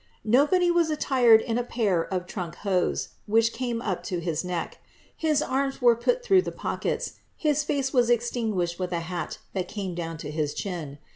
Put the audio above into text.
Nobody was attired in a pair of trunk hose, which came up to his neck ; his arms were put through the pockets ; his face was extinguished with a hat that came down to his chin.